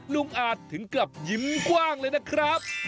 อาจถึงกลับยิ้มกว้างเลยนะครับ